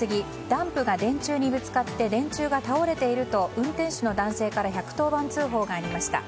ダンプが電柱にぶつかって電柱が倒れていると運転手の男性から１１０番通報がありました。